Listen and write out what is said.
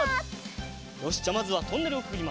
よしじゃあまずはトンネルをくぐります。